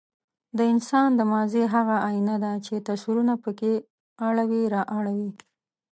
د انسان د ماضي هغه ایینه ده، چې تصویرونه پکې اوړي را اوړي.